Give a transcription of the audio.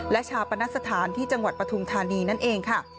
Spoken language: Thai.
และชาปนสถานที่จังหวัดปฐุมธานีนั่นเองค่ะ